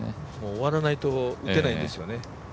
終わらないと打てないんですよね。